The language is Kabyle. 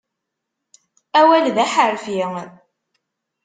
Awal d aḥerfi.